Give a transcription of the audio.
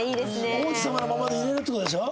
王子様のままでいれるって事でしょ？